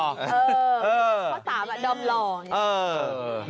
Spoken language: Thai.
เพราะสามอ่ะดอมหล่อ